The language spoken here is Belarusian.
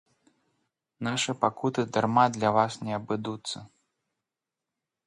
Нашы пакуты дарма для вас не абыдуцца.